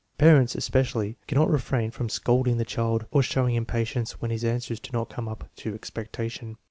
Parents, especially, cannot refrain from scolding the child or showing impatience when his answers do not come up to expectation.